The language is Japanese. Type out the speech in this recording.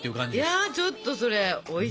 いやちょっとそれおいしそう。